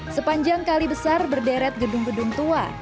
sepanjang kalibesar berderet gedung gedung tua